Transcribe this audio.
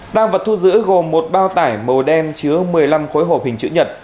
tăng vật thu giữ gồm một bao tải màu đen chứa một mươi năm khối hộp hình chữ nhật